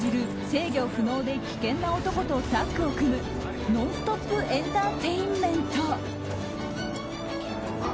制御不能で危険な男とタッグを組むノンストップエンターテインメント。